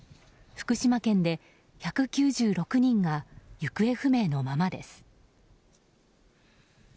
福島県で１９６人が行方不明のままです。